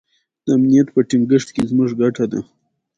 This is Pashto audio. د امريکې پاليسي هم دا وه